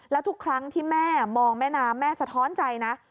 แล้วทุกครั้งที่แม่มองแม่น้ำแม่สะท้อนใจนะ